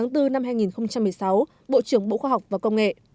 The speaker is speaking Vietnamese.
tháng bốn năm hai nghìn một mươi sáu bộ trưởng bộ khoa học và công nghệ